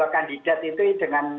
dua kandidat itu dengan